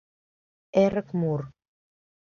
Эрык мур